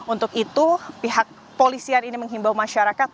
untuk itu pihak polisian ini menghimbau masyarakat